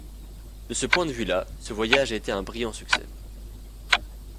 De ce point de vue là, ce voyage a été un brillant succès.